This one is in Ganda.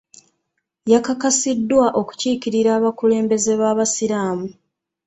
Yakakasiddwa okukiikirira abakulembeze b'abasiraamu.